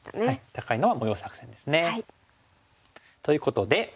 高いのは模様作戦ですね。ということで。